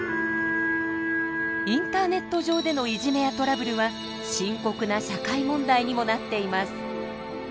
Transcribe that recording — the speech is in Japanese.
インターネット上でのいじめやトラブルは深刻な社会問題にもなっています。